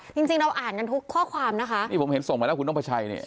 จริงจริงเราอ่านกันทุกข้อความนะคะนี่ผมเห็นส่งมาแล้วคุณต้องประชัยเนี่ย